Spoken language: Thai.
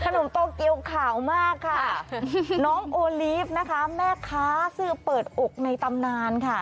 นมโตเกียวขาวมากค่ะน้องโอลีฟนะคะแม่ค้าซื้อเปิดอกในตำนานค่ะ